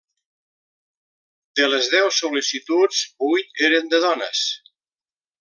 De les deu sol·licituds, vuit eren de dones.